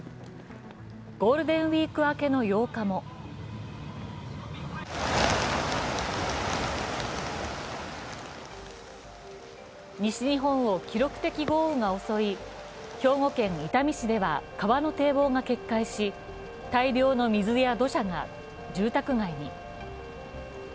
ゴールデンウイーク明けの８日も西日本を記録的豪雨が襲い兵庫県伊丹市では川の堤防が決壊し大量の水や土砂が住宅街に。